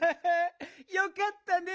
よかったね！